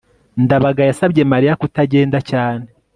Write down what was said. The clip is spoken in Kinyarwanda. ndabaga yasabye mariya kutagenda cyane